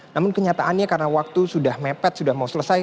namun kenyataannya karena waktu sudah mepet sudah mau selesai